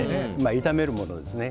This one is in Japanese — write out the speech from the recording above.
炒めるものですね。